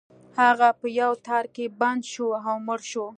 هغه په یو تار کې بنده شوه او مړه شوه.